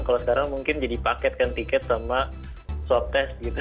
kalau sekarang mungkin jadi paket kan tiket sama swab test gitu